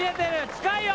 近いよ！